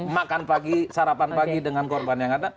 makan pagi sarapan pagi dengan korban yang ada